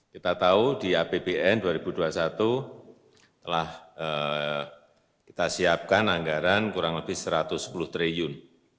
kita tahu di apbn dua ribu dua puluh satu telah kita siapkan anggaran kurang lebih rp satu ratus sepuluh triliun